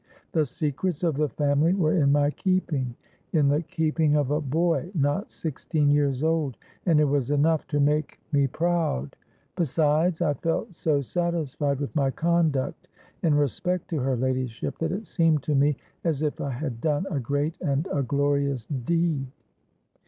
The secrets of the family were in my keeping,—in the keeping of a boy not sixteen years old; and it was enough to make me proud. Besides, I felt so satisfied with my conduct in respect to her ladyship, that it seemed to me as if I had done a great and a glorious deed.